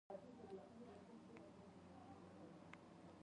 د خدای یاد زړونو ته سکون او اطمینان ورکوي.